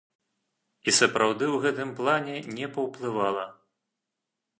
І сапраўды ў гэтым плане не паўплывала.